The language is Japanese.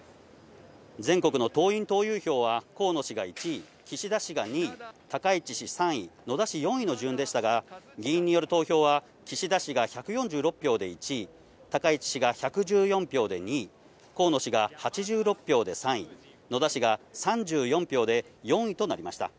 全国の党員・党友票は、河野氏が１位、岸田氏が２位、高市氏３位、野田氏４位の順でしたが、議員による投票は岸田氏が１４６票で１位、高市氏が１１４票で２位、河野氏が８６票で３位、野田氏が３４票で４位となりました。